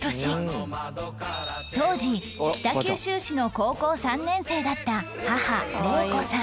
当時北九州市の高校３年生だった母令子さん